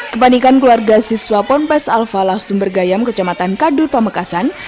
kepanikan keluarga siswa pompes alfa langsung bergayam ke jembatan kadur pamekasan